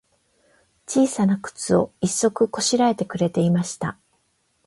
ちいさなくつを、一足こしらえてくれていました。